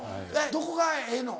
どこがええの？